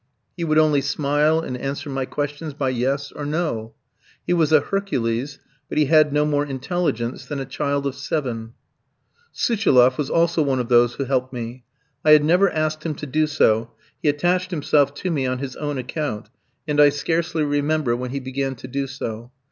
He would only smile and answer my questions by "yes" or "no." He was a Hercules, but he had no more intelligence than a child of seven. Suchiloff was also one of those who helped me. I had never asked him to do so, he attached himself to me on his own account, and I scarcely remember when he began to do so.